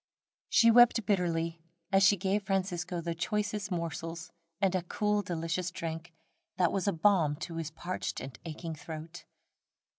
She wept bitterly as she gave Francisco the choicest morsels, and a cool, delicious drink, that was a balm to his parched and aching throat.